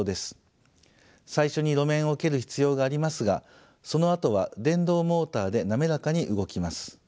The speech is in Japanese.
最初に路面を蹴る必要がありますがそのあとは電動モーターで滑らかに動きます。